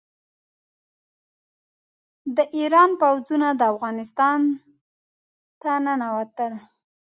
د ایران پوځونه افغانستان ته ننوتل.